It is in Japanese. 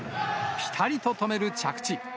ぴたりと止める着地。